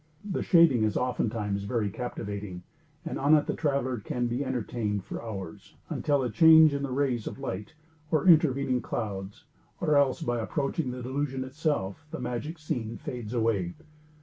The shading is oftentimes very captivating, and on it the traveler can be entertained for hours, until a change in the rays of light or intervening clouds, or else by approaching the delusion itself, the magic scene fades away.